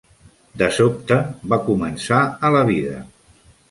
De sobte va començar a la vida.